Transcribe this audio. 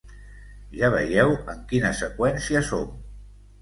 Ja veieu en quina seqüencia som.